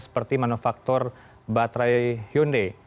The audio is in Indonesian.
seperti manufaktur baterai hyundai